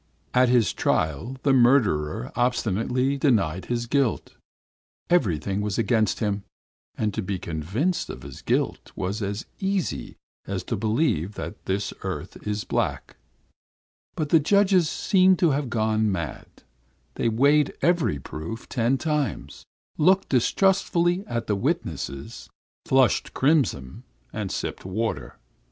"At his trial the murderer obstinately denied his guilt. Everything was against him, and to be convinced of his guilt was as easy as to believe that this earth is black; but the judges seem to have gone mad: they weighed every proof ten times, looked distrustfully at the witnesses, flushed crimson and sipped water....